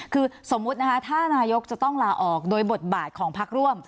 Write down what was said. คือสมมุตินะคะถ้านายกจะต้องลาออกโดยบทบาทของพักร่วม